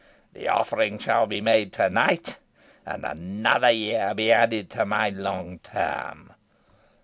The offering shall be made to night, and another year be added to my long term."